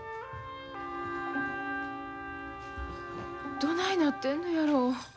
どないなってんのやろ。